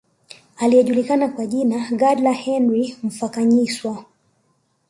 Aliyejulikana kwa jina la Gadla Henry Mphakanyiswa